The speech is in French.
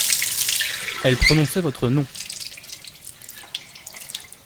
Elle prononçait votre nom !